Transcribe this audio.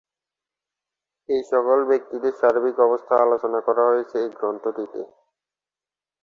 এ সকল ব্যক্তিদের সার্বিক অবস্থা আলোচনা করা হয়েছে এ গ্রন্থটিতে।